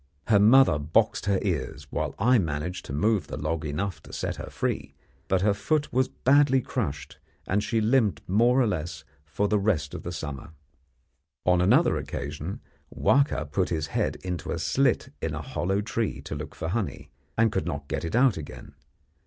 Her mother boxed her ears, while I managed to move the log enough to set her free; but her foot was badly crushed, and she limped more or less for the rest of the summer. On another occasion Wahka put his head into a slit in a hollow tree to look for honey, and could not get it out again.